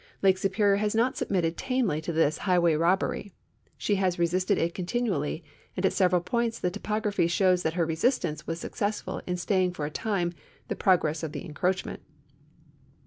Lake Superior has not submitted tamely to this highway rob bery. She has resisted it continually, and at several points the topography shows that her resistance was successful in staying for a time the progress of the encroachment.